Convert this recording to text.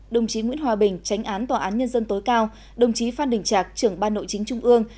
đồng chí nguyễn hòa bình tránh án tòa án nhân dân tối cao đồng chí phan đình trạc trưởng ban nội chính trung ương